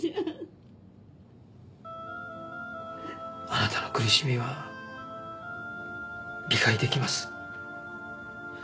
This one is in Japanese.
あなたの苦しみは理解出来ます。